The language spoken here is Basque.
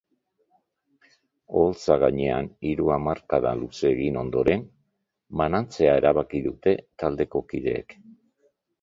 Oholtza gainean hiru hamarkada luze egin ondoren, banantzea erabaki dute taldeko kideek.